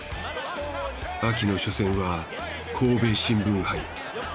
秋の初戦は神戸新聞杯。